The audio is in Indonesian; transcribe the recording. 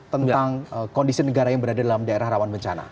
tentang kondisi negara yang berada dalam daerah rawan bencana